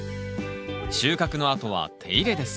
収穫のあとは手入れです。